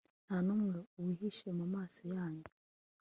Nta numwe wihishe mumaso yinyuma